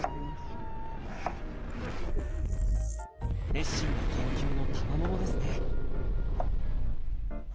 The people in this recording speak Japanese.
熱心な研究のたまものですね。